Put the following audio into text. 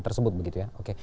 tersebut begitu ya oke